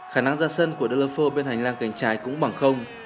khả năng ra sân của delopho bên hành lang cánh trái cũng bằng không